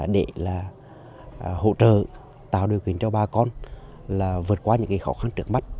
để là hỗ trợ tạo điều kiện cho bà con là vượt qua những khó khăn trước mắt